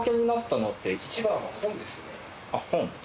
あっ本？